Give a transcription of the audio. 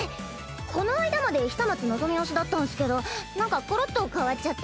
この間まで久松望推しだったんスけどなんかころっと変わっちゃって。